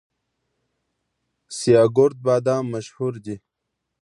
سیاه ګرد بادام مشهور دي؟